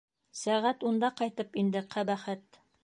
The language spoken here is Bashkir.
Сәғәт унда ҡайтып инде, ҡәбәхәт!